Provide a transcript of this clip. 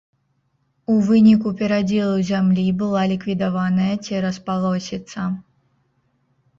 У выніку перадзелу зямлі была ліквідаваная цераспалосіца.